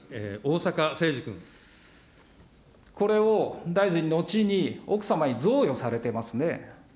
これを大臣、後に奥様に贈与されてますね。